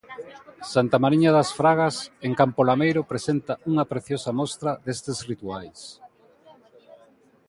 Santa Mariña das Fragas, en Campo Lameiro, presenta unha preciosa mostra destes rituais.